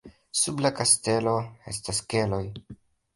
Sub la kastelo estas keloj.